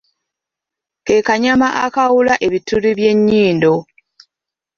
Ke kanyama akaawula ebituli by'enyindo.